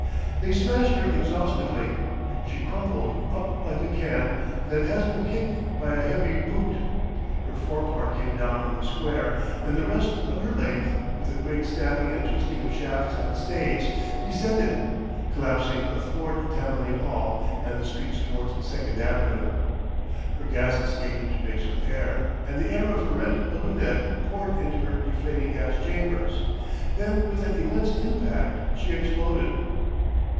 They smashed her exhaustively. She crumpled up like a can that has been kicked by a heavy boot, her forepart came down in the square, and the rest of her length, with a great snapping and twisting of shafts and stays, descended, collapsing athwart Tammany Hall and the streets towards Second Avenue. Her gas escaped to mix with air, and the air of her rent balloonette poured into her deflating gas chambers. Then with an immense impact she exploded....